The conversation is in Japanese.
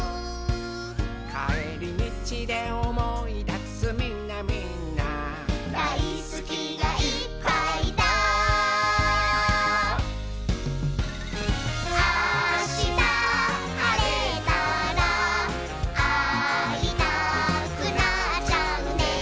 「かえりみちでおもいだすみんなみんな」「だいすきがいっぱいだ」「あしたはれたらあいたくなっちゃうね」